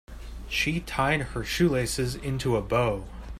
She tied her shoelaces into a bow.